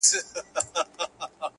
ه ياره کندهار نه پرېږدم،